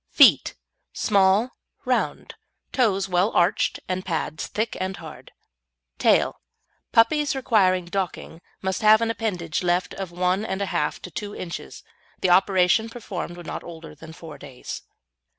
FEET Small, round; toes well arched and pads thick and hard. TAIL Puppies requiring docking must have an appendage left of one and a half to two inches and the operation performed when not older than four days.